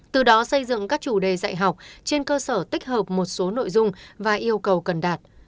từ đó xây dựng các chủ đề dạy học trên cơ sở tích hợp một số nội dung và yêu cầu cần đạt